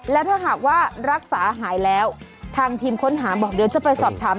และถ้าหากว่ารักษาหายแล้วทางทีมค้นหาบอกเดี๋ยวจะไปสอบถาม